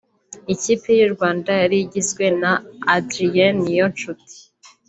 Ikipe y’U Rwanda yari igizwe na Adrien Niyonshuti